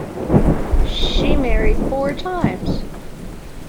She married four times.